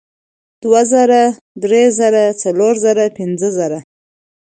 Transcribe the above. دوه زره درې زره څلور زره پینځه زره